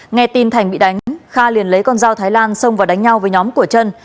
nghe tin thành bị đánh kha liền lấy con dao thái lan xông vào đánh nhau với nhóm của trân